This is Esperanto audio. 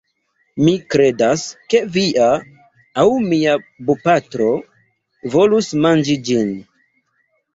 Mi kredas, ke via... aŭ mia bopatro volus manĝi ĝin.